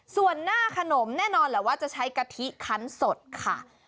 ส่วนหน้าขนมแน่นอนแหละว่าจะใช้กะทิคันสดค่ะ